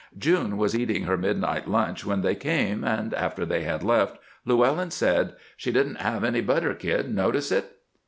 June was eating her midnight lunch when they came, and after they had left Llewellyn said: "She didn't have any butter, Kid. Notice it?"